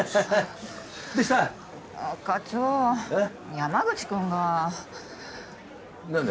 山口君が。何だ？